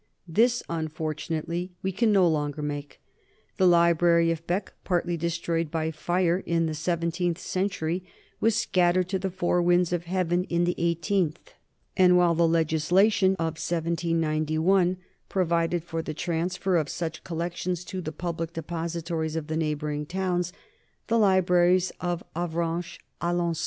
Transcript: This unfortunately we can no longer make. The library of Bee, partly de stroyed by fire in the seventeenth century, was scat tered to the four winds of heaven in the eighteenth, and while the legislation of 1791 provided for the transfer of 178 NORMANS IN EUROPEAN HISTORY such collections to the public depositories of the neigh boring towns, the libraries of Avranches, Alenc.